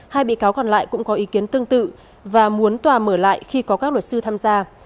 hai bị cáo còn lại cũng có ý kiến tương tự và muốn tòa mở lại khi có các luật sư tham gia